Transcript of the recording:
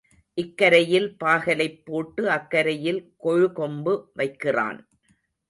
இக்கரையில் பாகலைப் போட்டு அக்கரையில் கொழு கொம்பு வைக்கிறான்.